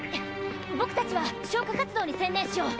ボクたちは消火活動に専念しよう！